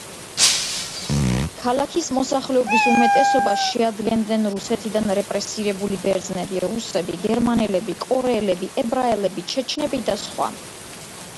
ქალაქის მოსახლეობის უმეტესობას შეადგენდნენ რუსეთიდან რეპრესირებული ბერძნები, რუსები, გერმანელები, კორეელები, ებრაელები, ჩეჩნები და სხვა.